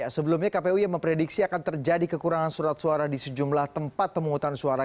sebelumnya kpu yang memprediksi akan terjadi kekurangan surat suara di sejumlah tempat pemungutan suara